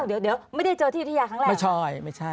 เดี๋ยวไม่ได้เจอที่ที่ยาครั้งแรก